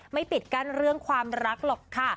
ปิดกั้นเรื่องความรักหรอกค่ะ